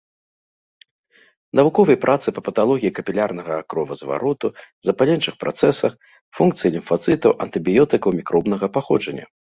Навуковыя працы па паталогіі капілярнага кровазвароту, запаленчых працэсах, функцыі лімфацытаў, антыбіётыках мікробнага паходжання.